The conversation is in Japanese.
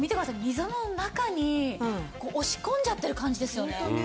溝の中に押し込んじゃってる感じですよね。